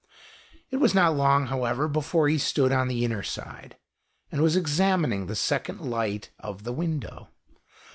It was not long, however, before he stood on the inner side, and was examining the second light of the window.